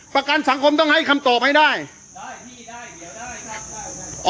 ประกันสังคมต้องให้คำตอบให้ได้ได้พี่ได้เดี๋ยวได้ครับได้